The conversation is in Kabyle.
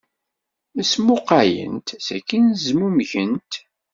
Mmesmuqqalent, sakkin zmumgent.